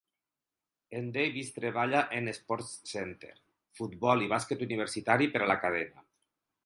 En Davis treballa en "SportsCenter", futbol i bàsquet universitari per a la cadena.